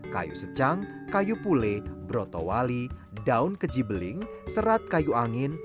kayu secang kayu pule broto wali daun keji beling serat kayu angin